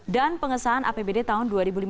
dan pengesahan apbd tahun dua ribu lima belas